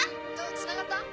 つながった？